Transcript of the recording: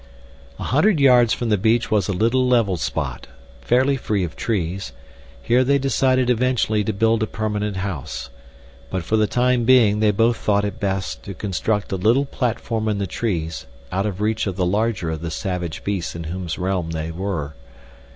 A hundred yards from the beach was a little level spot, fairly free of trees; here they decided eventually to build a permanent house, but for the time being they both thought it best to construct a little platform in the trees out of reach of the larger of the savage beasts in whose realm they were.